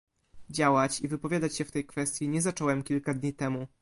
Działać i wypowiadać się w tej kwestii nie zacząłem kilka dni temu